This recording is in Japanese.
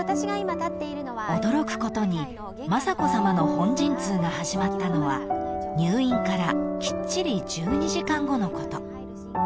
［驚くことに雅子さまの本陣痛が始まったのは入院からきっちり１２時間後のこと］